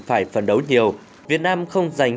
phải phấn đấu nhiều việt nam không giành